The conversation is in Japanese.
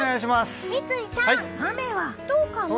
三井さん、雨はどうかな？